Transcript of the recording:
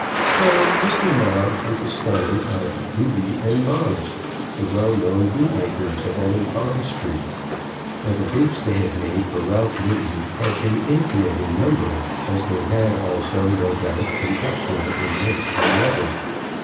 Now Mr. Moggs was the son of Booby and Moggs, the well known bootmakers of Old Bond Street; and the boots they had made for Ralph Newton had been infinite in number, as they had also, no doubt, been excellent in make and leather.